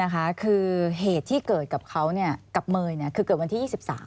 คือเหตุที่เกิดกับเขากับเมย์คือเกิดวันที่๒๓